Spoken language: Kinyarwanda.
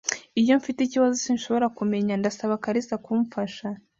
Iyo mfite ikibazo sinshobora kumenya, ndasaba kalisa kumfasha.